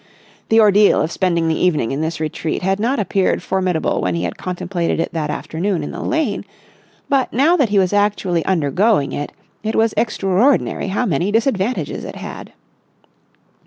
The ordeal of spending the evening in this retreat had not appeared formidable when he had contemplated it that afternoon in the lane; but, now that he was actually undergoing it, it was extraordinary how many disadvantages it had.